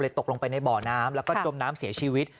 ตกลงไปในบ่อน้ำแล้วก็จมน้ำเสียชีวิต